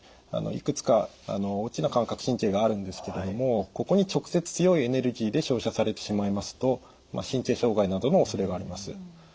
いくつか大きな感覚神経があるんですけれどもここに直接強いエネルギーで照射されてしまいますと神経障害などのおそれがあります。